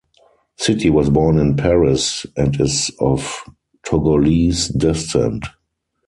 Sitti was born in Paris and is of Togolese descent.